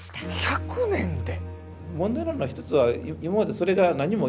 １００年で！？